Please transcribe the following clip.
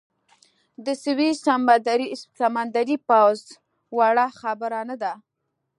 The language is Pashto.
د سویس سمندري پوځ وړه خبره نه ده.